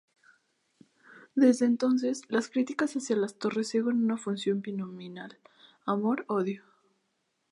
Desde entonces las críticas hacia las torres siguen una función binominal amor-odio.